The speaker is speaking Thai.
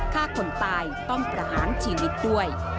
ฆ่าคนตายต้องประหารชีวิตด้วย